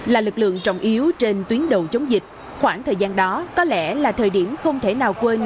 là lực lượng trọng yếu trên tuyến đầu chống dịch khoảng thời gian đó có lẽ là thời điểm không thể nào quên